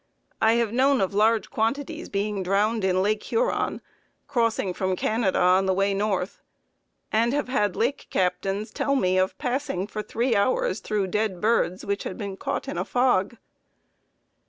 I have known of large quantities being drowned in Lake Huron, crossing from Canada on the way north, and have had lake captains tell me of passing for three hours through dead birds, which had been caught in a fog.